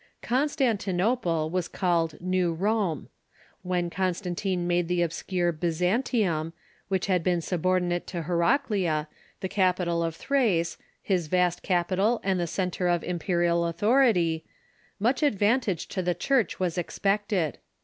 Constantinople was called New Rome. When Constantine made the obscure Byzantium, which had been subordinate to Ileraclea, the capital of Thrace, his vast cai)ital Constantinople ^ r ••^^• t , and the centre oi imperial autliority, much ad vantage to the Church was expected.